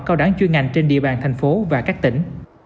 cao đẳng chuyên ngành trên địa bàn thành phố và các tỉnh